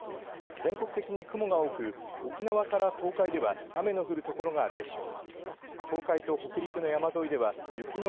全国的に雲が多く沖縄から東海では雨の降る所があるでしょう。